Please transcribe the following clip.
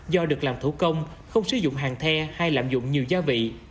do được làm thủ công không sử dụng hàng the hay lạm dụng nhiều gia vị